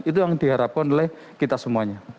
itu yang diharapkan oleh kita semuanya